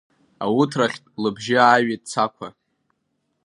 Ауҭрахьтә лыбжьы ааҩит Цақәа.